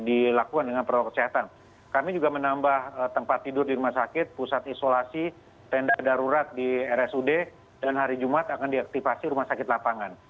dan dilakukan dengan protokol kesehatan kami juga menambah tempat tidur di rumah sakit pusat isolasi tenda darurat di rsud dan hari jumat akan diaktifasi rumah sakit lapangan